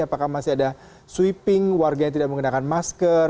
apakah masih ada sweeping warga yang tidak menggunakan masker